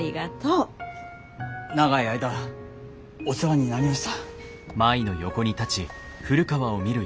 長い間お世話になりました。